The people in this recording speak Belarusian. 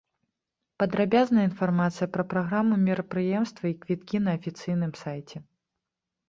Падрабязная інфармацыя пра праграму мерапрыемства і квіткі на афіцыйным сайце.